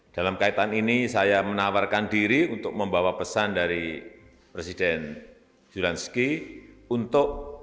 dalam kaitan ini saya menawarkan diri untuk membawa pesan dari presiden zelensky untuk